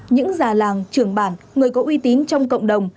những già làng trưởng bản người có uy tín trong cộng đồng